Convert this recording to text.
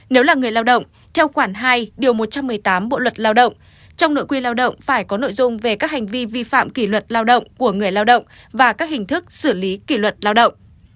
nếu là người lao động theo khoản hai điều một trăm một mươi tám bộ luật lao động trong nội quy lao động phải có nội dung về các hành vi vi phạm kỷ luật lao động của người lao động và các hình thức xử lý kỷ luật lao động